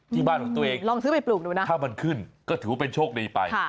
ที่บ้านของตัวเองถ้ามันขึ้นก็ถือว่าเป็นโชคดีไป